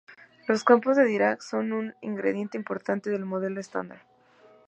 Los campos de Dirac son un ingrediente importante del Modelo Estándar.